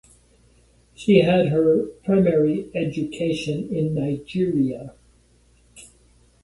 She had her primary education in Nigeria.